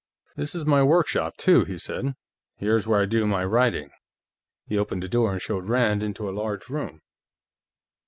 "This is my workshop, too," he said. "Here's where I do my writing." He opened a door and showed Rand into a large room.